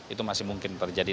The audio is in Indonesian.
itu masih mungkin terjadi